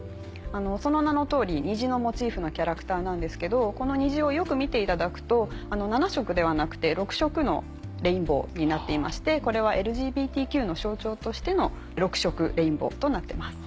その名の通り虹のモチーフのキャラクターなんですけどこの虹をよく見ていただくと７色ではなくて６色のレインボーになっていましてこれはＬＧＢＴＱの象徴としての６色レインボーとなってます。